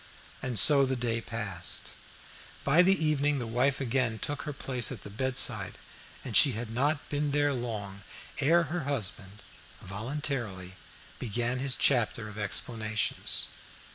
And so the day passed by. In the evening the wife again took her place at the bedside, and she had not been there long ere her husband voluntarily began his chapter of explanations.